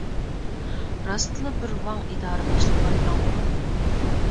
راستلا بىر ۋاڭ ئىدارە باشلىقى باركەنغۇ؟ !